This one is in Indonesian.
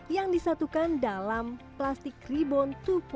yang disatukan dalam plastic reborn dua